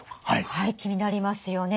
はい気になりますよね。